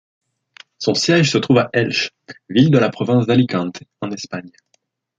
Son siège se trouve à Elche, ville de la Province d'Alicante en Espagne.